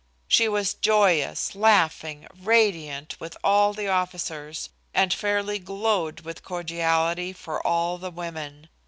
She was joyous, laughing, radiant with all the officers, and fairly glowed with cordiality for all the women.